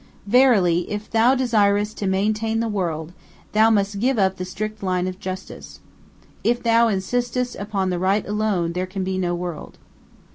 Verily, if Thou desirest to maintain the world, Thou must give up the strict line of justice. If Thou insistest upon the right alone, there can be no world."